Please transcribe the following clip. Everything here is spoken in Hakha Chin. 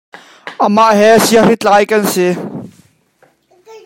Amah he siahritlai kan si.